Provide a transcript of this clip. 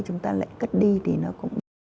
chúng ta lại cất đi thì nó cũng